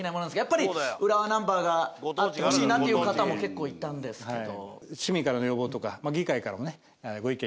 やっぱり浦和ナンバーがあってほしいなっていう方も結構いたんですけど。